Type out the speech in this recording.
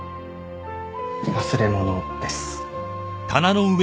忘れ物です。